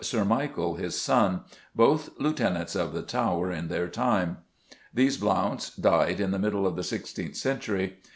PETER AD VINCULA, TOWER GREEN] Michael, his son, both Lieutenants of the Tower in their time. These Blounts died in the middle of the sixteenth century.